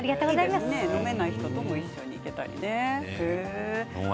飲めない人とも一緒に行けたりね。